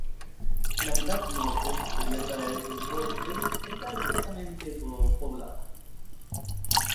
La mitad norte, cubierta de densos bosques, está escasamente poblada.